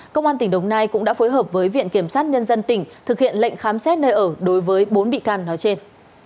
công an tỉnh đồng nai cũng đã phối hợp với viện kiểm sát nhân dân tỉnh thực hiện lệnh khám xét nơi ở đối với bốn bị can nói trên